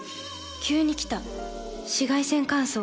急に来た紫外線乾燥。